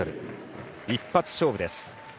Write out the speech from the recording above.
一発勝負です。